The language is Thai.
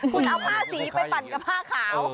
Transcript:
คุณเอาผ้าสีไปปั่นกับผ้าขาว